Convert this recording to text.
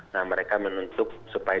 nah mereka menuntut